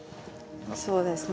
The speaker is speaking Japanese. そうですね